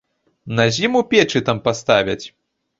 На зіму печы там паставяць.